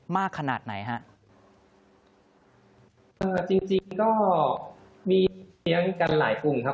มากขนาดไหนฮะเอ่อจริงจริงก็มีเลี้ยงกันหลายกลุ่มครับ